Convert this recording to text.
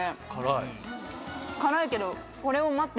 辛いけど。